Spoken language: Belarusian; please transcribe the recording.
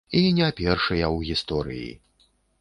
І не першыя ў гісторыі.